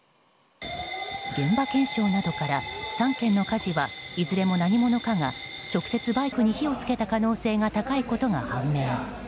現場検証などから、３件の火事はいずれも何者かが直接バイクに火を付けた可能性が高いことが判明。